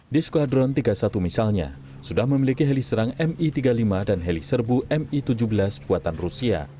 di squadron tiga puluh satu misalnya sudah memiliki heli serang mi tiga puluh lima dan heli serbu mi tujuh belas buatan rusia